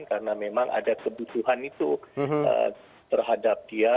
karena memang ada kebutuhan itu terhadap dia